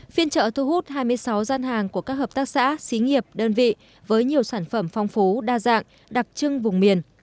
phiên trợ thu hút hai mươi sáu gian hàng của các hợp tác xã xí nghiệp đơn vị với nhiều sản phẩm phong phú đa dạng đặc trưng vùng miền